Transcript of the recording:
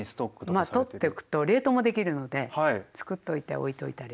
まあ取っておくと冷凍もできるのでつくっといておいといたり。